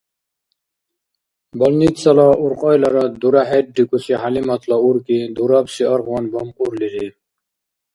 Больницала улкьайларад дура хӀеррикӀуси ХӀялиматла уркӀи дурабси аргъван бамкьурлири.